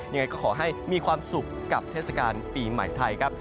ยังไงก็ขอให้มีความสุขกับเทศกาลปีใหม่ไทยครับ